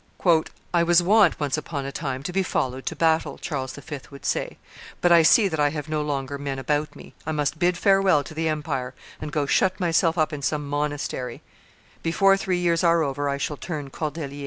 "I was wont once upon a time to be followed to battle," Charles V. would say, "but I see that I have no longer men about me; I must bid farewell to the empire, and go and shut myself up in some monastery; before three years are over I shall turn Cordelier."